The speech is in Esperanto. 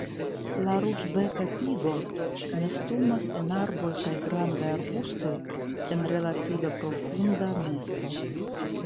La Ruĝbeka pigo nestumas en arboj kaj grandaj arbustoj en relative profunda nesto.